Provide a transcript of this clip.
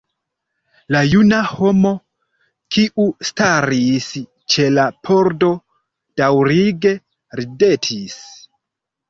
La juna homo, kiu staris ĉe la pordo, daŭrige ridetis.